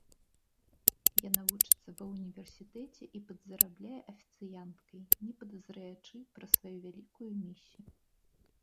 Яна вучыцца ва ўніверсітэце і падзарабляе афіцыянткай, не падазраючы пра сваю вялікую місію.